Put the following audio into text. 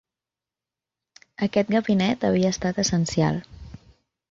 Aquest gabinet havia estat essencial.